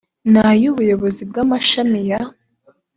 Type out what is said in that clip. n ay ubuyobozi bw amashami ya